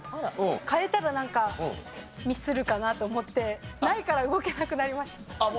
変えたらなんかミスるかなと思って「ない」から動けなくなりました。